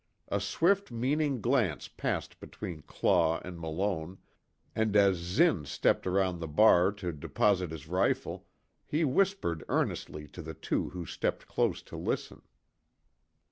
A swift meaning glance passed between Claw and Malone, and as Zinn stepped around the bar to deposit his rifle, he whispered earnestly to the two who stepped close to listen.